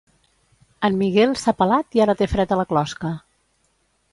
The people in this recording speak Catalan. En Miguel s'ha pelat i ara té fred a la closca